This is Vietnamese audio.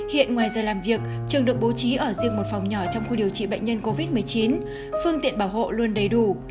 hiện ngoài giờ làm việc trường được bố trí ở riêng một phòng nhỏ trong khu điều trị bệnh nhân covid một mươi chín phương tiện bảo hộ luôn đầy đủ